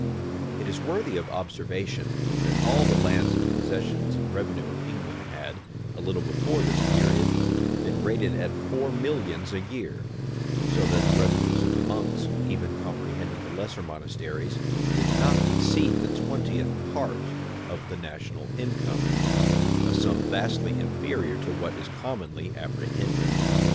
[] It is worthy of observation, that all the lands and possessions and revenue of England had, a little before this period, been rated at four millions a year; so that the revenues of the monks, even comprehending the lesser monasteries, did not exceed the twentieth part of the national income; a sum vastly inferior to what is commonly apprehended.